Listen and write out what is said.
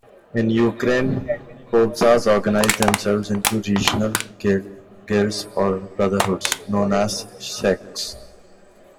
In Ukraine, kobzars organized themselves into regional guilds or brotherhoods, known as tsekhs.